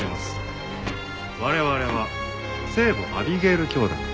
我々は聖母アビゲイル教団。